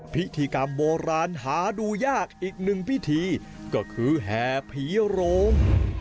พิธีกรรมโบราณหาดูยากอีกหนึ่งพิธีก็คือแห่ผีโรง